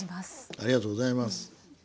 ありがとうございます。